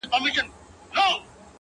له مايې ما اخله _